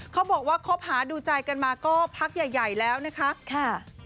เขาบอกว่าคบหาดูใจกันมาก็พักใหญ่แล้วนะคะ